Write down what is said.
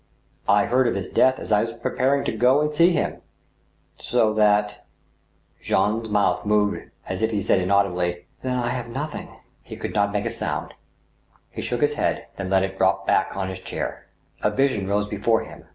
I heard of his death as I was preparing to go and see him .... so that—" Jean's mouth moved, as if he said inaudibly :" Then I have nothing." THE WILL CPEXED. 17 He could not make a sound. He shook his head, then let it drop back on his chair. A vision rose before him.